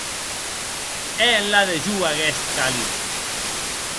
Hè enlà de jo aguest calitz!